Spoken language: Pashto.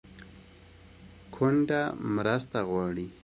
کونډه مرسته غواړي